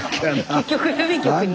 結局郵便局に。